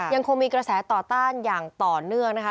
ยังคงมีกระแสต่อต้านอย่างต่อเนื่องนะคะ